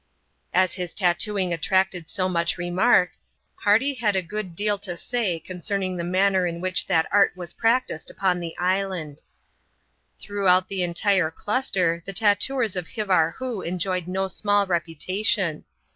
his tattooing attracted so much remark, Hardy had a good JO say concerning the manner in which that art was prac apon the island. roughout the entire cluster the tattooers of Hivarhoo en no small reputation.